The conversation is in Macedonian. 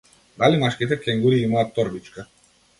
Дали машките кенгури имаат торбичка?